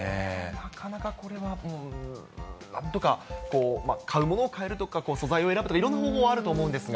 なかなかこれはなんとか、買うものを変えるとか、素材を選ぶとか、いろいろな方法があると思うんですが。